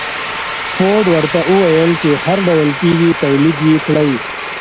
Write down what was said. فورډ ورته وويل چې هر ډول کېږي توليد يې کړئ.